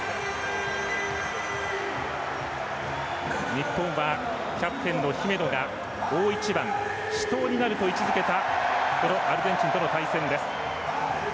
日本はキャプテンの姫野が大一番、死闘になると位置づけたこのアルゼンチンとの対戦です。